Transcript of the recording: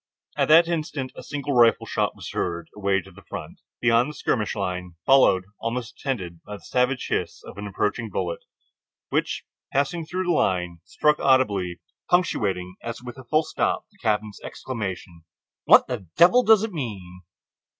At that instant a single rifle shot was heard, away to the front, beyond the skirmish line, followed, almost attended, by the savage hiss of an approaching bullet which, passing through the line, struck audibly, punctuating as with a full stop the captain's exclamation, "What the devil does it mean?"